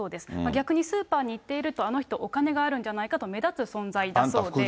逆にスーパーに行っていると、あの人、お金があるんじゃないかと目立つ存在だそうで。